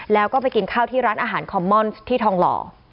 แล้วก็ไปกินข้าวที่ร้านอาหารคอมม่อนที่ทองหล่อ